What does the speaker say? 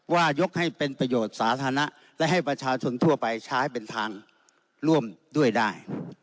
ยกให้เป็นประโยชน์สาธารณะและให้ประชาชนทั่วไปใช้เป็นทางร่วมด้วยได้